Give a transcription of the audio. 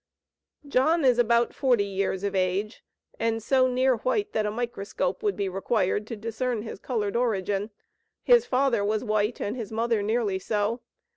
John is about forty years of age, and so near white that a microscope would be required to discern his colored origin. His father was white, and his mother nearly so.